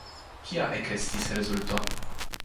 Kia ekestis rezulto?